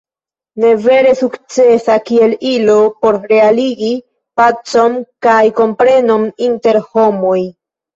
Ne vere sukcesa kiel ilo por realigi pacon kaj komprenon inter homoj.